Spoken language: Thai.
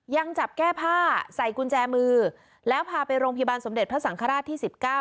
ยังจับแก้ผ้าใส่กุญแจมือแล้วพาไปโรงพยาบาลสมเด็จพระสังฆราชที่๑๙